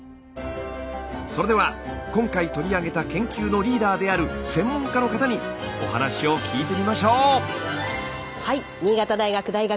それでは今回取り上げた研究のリーダーである専門家の方にお話を聞いてみましょう。